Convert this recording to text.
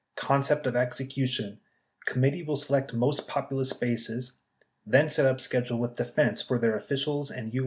62 Concept of Execution. — Committee will select most popu lous bases; then set up schedule with Defense for their officials and U.